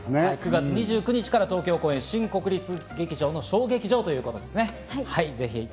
９月２９日から東京公演、新国立劇場小劇場ということですね。